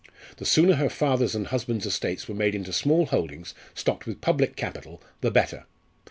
The sooner her father's and husband's estates were made into small holdings stocked with public capital the better.